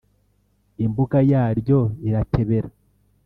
Imbuga yaryo iratebera